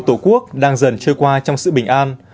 tổ quốc đang dần trôi qua trong sự bình an